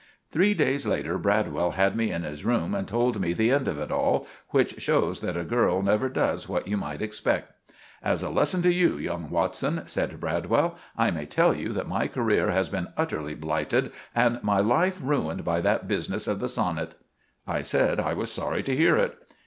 Three days later Bradwell had me in his room and told me the end of it all, which shows that a girl never does what you might exspect. "As a lesson to you, young Watson," said Bradwell, "I may tell you that my career has been utterly blighted and my life ruined by that business of the sonnit." I said I was sorry to hear it.